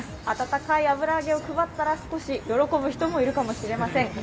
温かい油揚げを配ったら少し喜ぶ方もいるかもしれません。